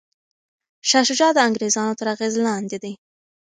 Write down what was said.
شاه شجاع د انګریزانو تر اغیز لاندې دی.